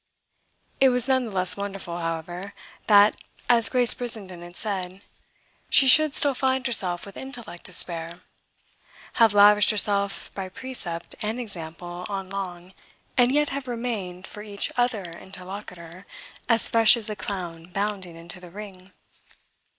It was none the less wonderful, however, that, as Grace Brissenden had said, she should still find herself with intellect to spare have lavished herself by precept and example on Long and yet have remained for each other interlocutor as fresh as the clown bounding into the ring.